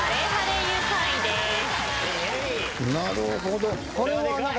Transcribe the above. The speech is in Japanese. なるほど。